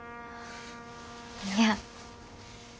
いや。